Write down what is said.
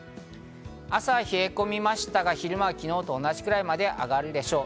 朝は冷え込みましたが、昼間は昨日と同じくらいまで上がるでしょう。